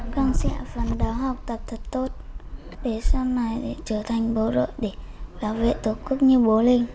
càng sẽ phấn đấu học tập thật tốt để sau này trở thành bố rợn để bảo vệ tổ quốc như bố linh